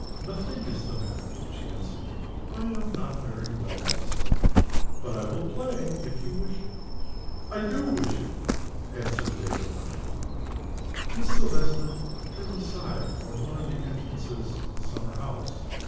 "Nothing is the matter," she answered. "I am not very well this morning. But I will play if you wish it." "I do wish it," answered Lady Lundie. Miss Silvester turned aside toward one of the entrances into the summer house.